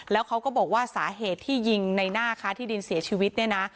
แล้วเขาก็บอกว่าสาเหตุที่ยิงในหน้าค้าที่ดินเสียชีวิตเนี่ยนะ